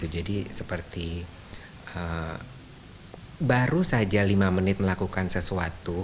jadi seperti baru saja lima menit melakukan sesuatu